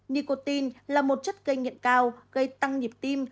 nicotin là một chất gây nghiện cao gây tăng nhịp tim